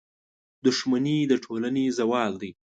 • دښمني د ټولنې زوال دی.